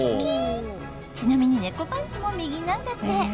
ちなみにネコパンチも右なんだって。